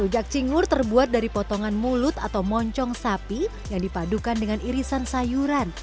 rujak cingur terbuat dari potongan mulut atau moncong sapi yang dipadukan dengan irisan sayuran